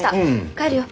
帰るよ。